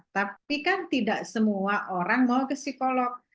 tapi kan tidak semua orang mau ke psikolog